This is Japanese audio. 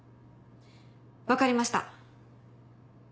分かりました。